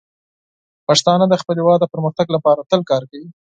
پښتانه د خپل هیواد د پرمختګ لپاره تل کار کوي.